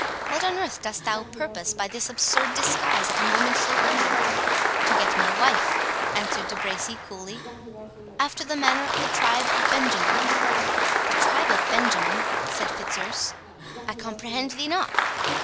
—What on earth dost thou purpose by this absurd disguise at a moment so urgent?" "To get me a wife," answered De Bracy coolly, "after the manner of the tribe of Benjamin." "The tribe of Benjamin?" said Fitzurse; "I comprehend thee not."